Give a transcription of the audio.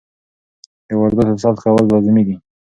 د وارداتو ثبت کول لازمي دي.